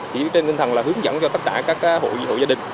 chỉ trên kinh thần là hướng dẫn cho tất cả các hộ gia đình